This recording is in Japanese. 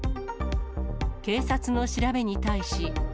警察の調べに対し。